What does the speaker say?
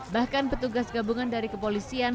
bahkan petugas gabungan dari kepolisian